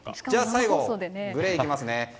最後、グレーいきますね。